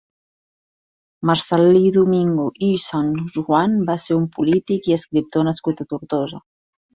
Marcel·lí Domingo i Sanjuan va ser un polític i escriptor nascut a Tortosa.